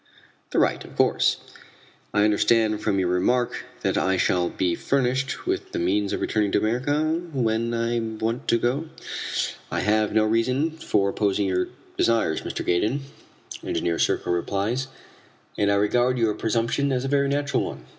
"The right, of course." "I understand from your remark that I shall be furnished with the means of returning to America when I want to go?" "I have no reason for opposing your desires, Mr. Gaydon," Engineer Serko replies, "and I regard your presumption as a very natural one.